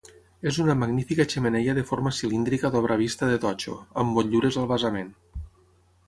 És una magnífica xemeneia de forma cilíndrica d'obra vista de totxo, amb motllures al basament.